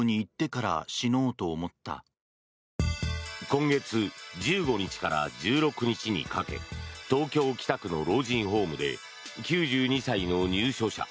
今月１５日から１６日にかけ東京・北区の老人ホームで９２歳の入所者